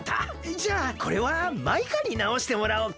じゃあこれはマイカになおしてもらおうか。